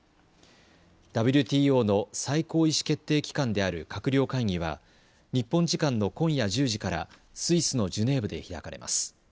ＷＴＯの最高意思決定機関である閣僚会議は日本時間の今夜１０時からスイスのジュネーブで開かれます。